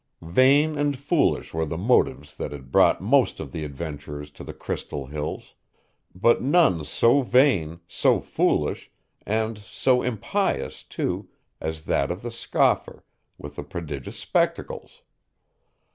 Vain and foolish were the motives that had brought most of the adventurers to the Crystal Hills; but none so vain, so foolish, and so impious too, as that of the scoffer with the prodigious spectacles.